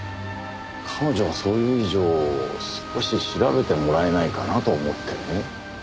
彼女がそう言う以上少し調べてもらえないかなと思ってね。